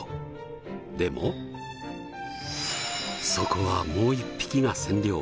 でもそこはもう一匹が占領。